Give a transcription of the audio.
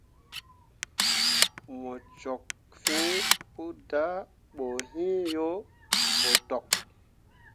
Mu cok fin pu dah boyin yo botok.